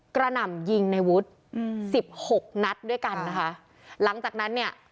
หน่ำยิงในวุฒิอืมสิบหกนัดด้วยกันนะคะหลังจากนั้นเนี่ย